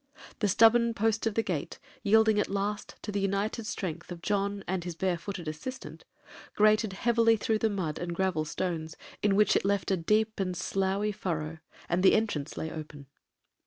The stubborn post of the gate, yielding at last to the united strength of John and his barefooted assistant, grated heavily through the mud and gravel stones, in which it left a deep and sloughy furrow, and the entrance lay open.